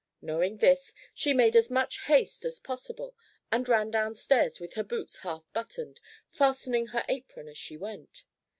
Knowing this, she made as much haste as possible, and ran downstairs with her boots half buttoned, fastening her apron as she went.